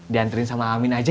dianterin sama amin aja ya